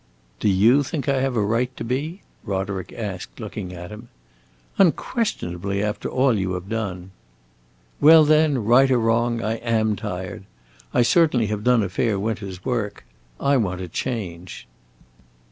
"Do you think I have a right to be?" Roderick asked, looking at him. "Unquestionably, after all you have done." "Well, then, right or wrong, I am tired. I certainly have done a fair winter's work. I want a change."